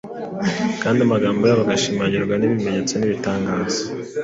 kandi amagambo yabo agashimangirwa n’ibimenyetso n’ibitangaza.